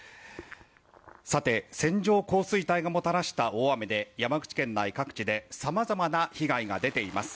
さて、線状降水帯がもたらした大雨で山口県内各地でさまざまな被害が出ています。